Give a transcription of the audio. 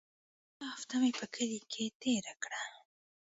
يوه هفته مې په کلي کښې تېره کړه.